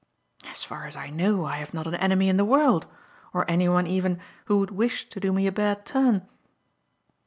"As far as I know, I have not an enemy in the world, or anyone, even, who would wish to do me a bad turn."